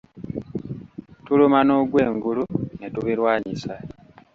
Tuluma n'ogwengulu ne tubirwanyisa.